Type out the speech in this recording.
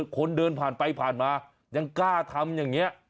คนเดินผ่านไปผ่านมายังกล้าทำอย่างนี้